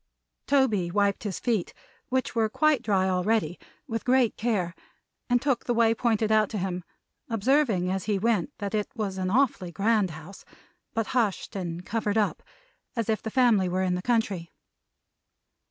Toby wiped his feet (which were quite dry already) with great care, and took the way pointed out to him, observing as he went that it was an awfully grand house, but hushed and covered up, as if the family were in the country.